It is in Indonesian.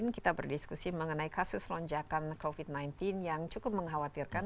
kita berdiskusi mengenai kasus lonjakan covid sembilan belas yang cukup mengkhawatirkan